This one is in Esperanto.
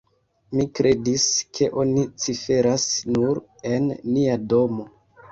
Mi kredis, ke oni ciferas nur en nia domo.